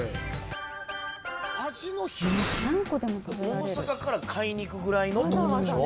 大阪から買いに行くぐらいのってことでしょ？